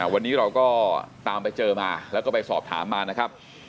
วันนี้เราก็ตามไปเจอมาแล้วก็ไปสอบถามมานะครับ